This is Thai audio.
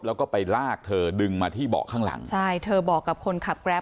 แล้วก็ไปลากเธอดึงมาที่เบาะข้างหลังใช่เธอบอกกับคนขับแกรป